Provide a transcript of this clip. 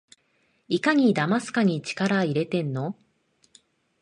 いかにだますかに力いれてんの？